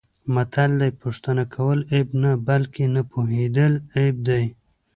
متل دی: پوښتنه کول عیب نه، بلکه نه پوهېدل عیب دی.